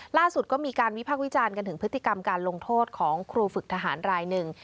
ล่าสุดก็มีการวิพากษ์วิจารณ์กันถึงพฤติกรรมการลงโทษของครูฝึกทหารรายหนึ่ง